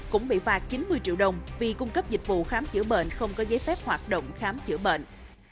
cũng bị phạt chín mươi triệu đồng vì cung cấp dịch vụ khám chữa bệnh không có giấy phép hoạt động khám chữa bệnh